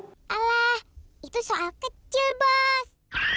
salah itu soal kecil bos